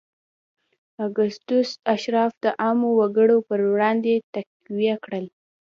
اګوستوس اشراف د عامو وګړو پر وړاندې تقویه کړل